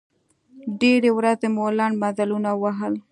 ډېرې ورځې مو لنډ مزلونه ووهل.